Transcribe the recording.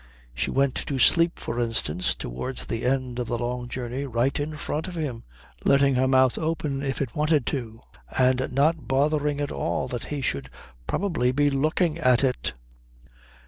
She went to sleep, for instance, towards the end of the long journey right in front of him, letting her mouth open if it wanted to, and not bothering at all that he should probably be looking at it.